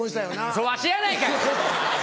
それわしやないかい！